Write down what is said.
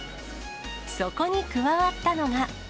そこに加わったのが。